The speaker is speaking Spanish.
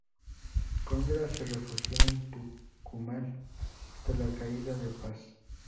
Gondra se refugió en Tucumán hasta la caída de Paz.